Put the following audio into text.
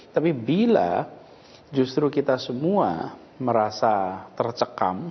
tapi bila justru kita semua merasa tercekam